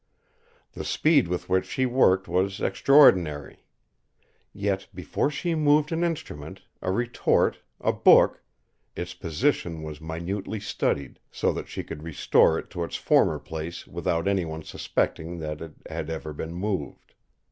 The speed with which she worked was extraordinary. Yet, before she moved an instrument, a retort, a book, its position was minutely studied, so that she could restore it to its former place without any one suspecting that it had ever been moved.